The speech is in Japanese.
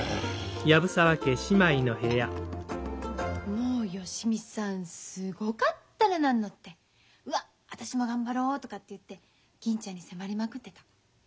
もう芳美さんすごかったの何のって「うわ私も頑張ろう」とかって言って銀ちゃんに迫りまくってた。